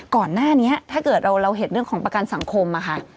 ก่อนหน้านี้ถ้าเกิดเราเห็นเรื่องของประกันสังคมอ่ะค่ะ